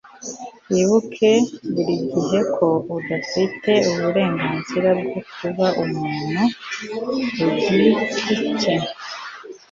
wibuke buri gihe ko udafite uburenganzira bwo kuba umuntu ku giti cye